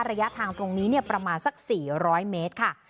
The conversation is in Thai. ระยะทางตรงนี้ประมาณสัก๔๐๐เมตรค่ะ